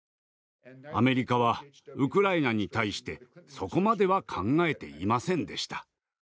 アメリカはウクライナに対してそこまでは考えていませんでした。